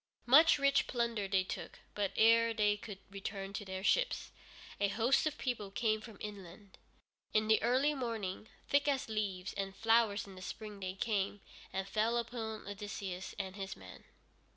Much rich plunder they took, but ere they could return to their ships, a host of people came from inland. In the early morning, thick as leaves and flowers in the spring they came, and fell upon Odysseus and his men.